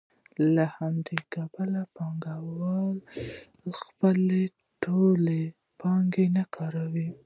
له همدې کبله پانګوال خپله ټوله پانګه نه کاروي